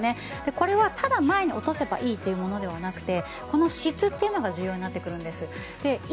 これはただ前に落とせばいいというものではなくてその質というのが重要になってくるんです。